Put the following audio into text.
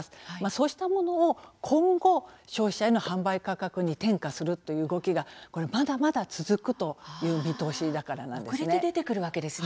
そうしたものを今後消費者への販売価格に転嫁するという動きが、まだまだ続くという見通しだからなんです。